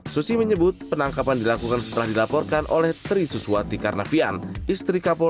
susi menyebut penangkapan dilakukan setelah dilaporkan oleh tri suswati karnavian istri kapolri